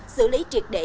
xử lý triệt để